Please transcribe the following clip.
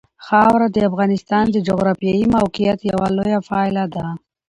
خاوره د افغانستان د جغرافیایي موقیعت یوه لویه پایله ده.